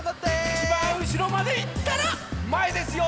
いちばんうしろまでいったらまえですよ。